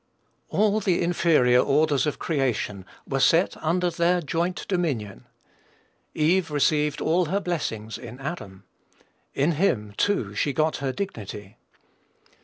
All the inferior orders of creation were set under their joint dominion. Eve received all her blessings in Adam. In him, too, she got her dignity.